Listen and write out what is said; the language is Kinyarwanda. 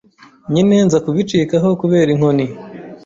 nyine nza kubicikaho kubera inkoni